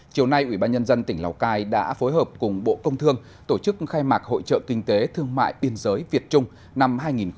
chiều nay ủy ban nhân dân tỉnh lào cai đã phối hợp cùng bộ công thương tổ chức khai mạc hội trợ kinh tế thương mại biên giới việt trung năm hai nghìn một mươi chín